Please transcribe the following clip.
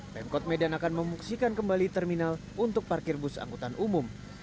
pemkot medan akan memungksikan kembali terminal untuk parkir bus angkutan umum